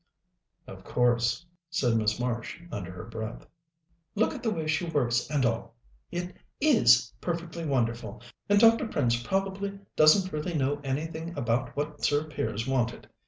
"Of course," said Miss Marsh, under her breath. "Look at the way she works and all it is perfectly wonderful; and Dr. Prince probably doesn't really know anything about what Sir Piers wanted.